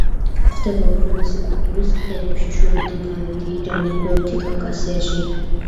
გვხვდება უძველესი კულტურის კერებში: შუამდინარეთი, ირანი, ინდოეთი, კავკასიაში.